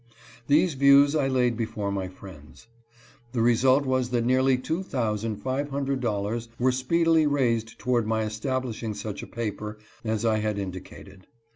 These views I laid before my friends. The result was that nearly two thousand five hundred dollars were speedily raised toward my establishing such a paper as I had indicated.